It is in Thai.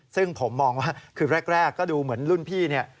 ซึ่งผมมองว่าคือแรกก็ดูเหมือนรุ่นพี่เนี่ย